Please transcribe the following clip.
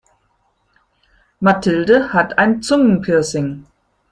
Mathilde hat ein Zungenpiercing.